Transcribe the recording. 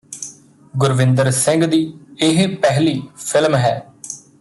ਗੁਰਵਿੰਦਰ ਸਿੰਘ ਦੀ ਇਹ ਪਹਿਲੀ ਫਿਲਮ ਹੈ